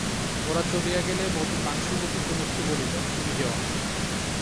ওরা চলিয়া গেলে মতি পাংশুমুখে কুমুদকে বলিল, তুমি যেও না।